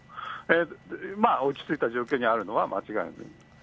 まあ、落ち着いた状況にあるのは間違いありません。